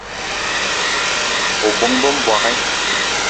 O bóng-be m'bogué!